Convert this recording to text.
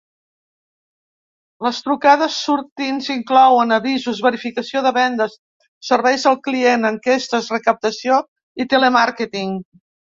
Les trucades sortints inclouen avisos, verificació de vendes, serveis al client, enquestes, recaptació i telemàrqueting.